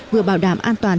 vừa bảo đảm an toàn